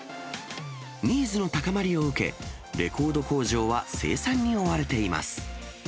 ニーズの高まりを受け、レコード工場は生産に追われています。